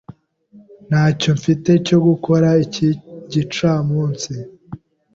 Ntacyo mfite cyo gukora iki gicamunsi.